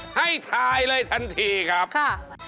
ให้ทายเลยทันทีครับค่ะ